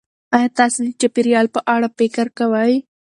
ایا تاسې د چاپیریال په اړه فکر کوئ؟